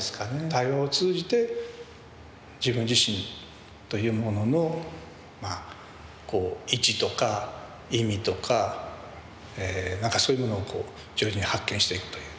対話を通じて自分自身というもののまあこう位置とか意味とか何かそういうものをこう徐々に発見していくという。